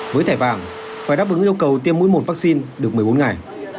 với thẻ vàng phải đáp ứng yêu cầu tiêm mũi một vaccine được một mươi bốn ngày